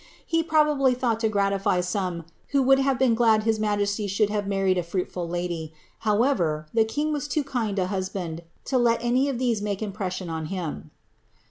lie probably thought to gratify some who would have been glad his majesty should have married a fruitful ladv; however, the king was too kind a husband to let any of these make ifl> pression on him."